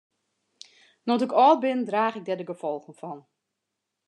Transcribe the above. No't ik âld bin draach ik dêr de gefolgen fan.